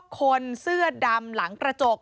คนเสื้อดำหลังกระจก